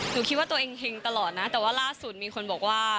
คิดว่าตัวเองเห็งตลอดนะแต่ว่าล่าสุดมีคนบอกว่า